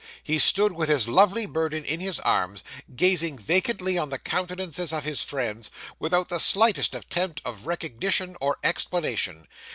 He stood with his lovely burden in his arms, gazing vacantly on the countenances of his friends, without the slightest attempt at recognition or explanation.